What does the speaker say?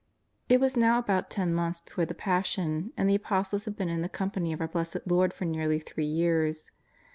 It was now about ten months before the Passion, and the Apostles had been in the company of our Blessed Lord for nearly three years.